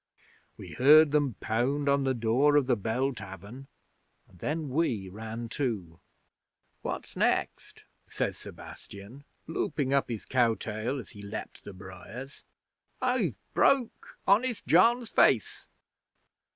We heard them pound on the door of the Bell Tavern, and then we ran too. '"What's next?" says Sebastian, looping up his cow tail as he leaped the briars. "I've broke honest John's face."